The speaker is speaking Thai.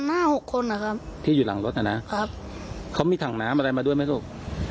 อยู่เรือหลังรถครับมีทางน้ำอะไรมาด้วยไหมครับ